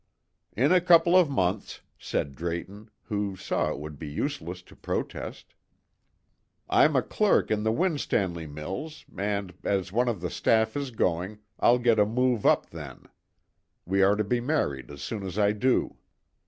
"In a couple of months," said Drayton, who saw it would be useless to protest. "I'm a clerk in the Winstanley mills, and, as one of the staff is going, I'll get a move up then. We are to be married as soon as I do."